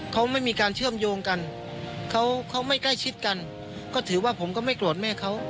เขาไม่มีการเชื่อมโยงกันเขาเขาไม่ใกล้ชิดกันก็ถือว่าผมก็ไม่โกรธแม่เขา